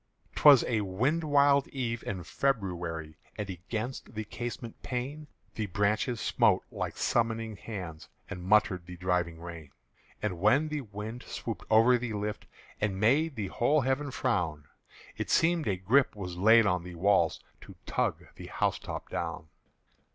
'T was a wind wild eve in February, And against the casement pane The branches smote like summoning hands And muttered the driving rain. And when the wind swooped over the lift And made the whole heaven frown, It seemed a grip was laid on the walls To tug the housetop down.